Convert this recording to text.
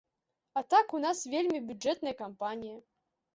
А так у нас вельмі бюджэтная кампанія.